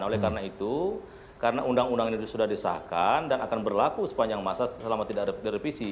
oleh karena itu karena undang undang ini sudah disahkan dan akan berlaku sepanjang masa selama tidak ada direvisi